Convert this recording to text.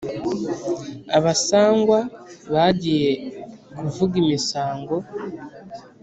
Abasangwa bagiye kuvuga imisango